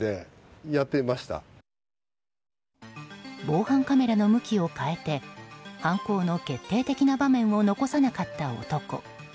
防犯カメラの向きを変えて犯行の決定的な場面を残さなかった男。